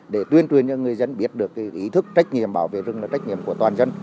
để tuyên truyền cho người dân biết được ý thức trách nhiệm bảo vệ rừng là trách nhiệm của toàn dân